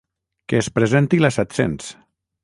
Que es presenti la set-cents!